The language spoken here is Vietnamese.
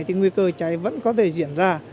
thì nguy cơ cháy vẫn có thể diễn ra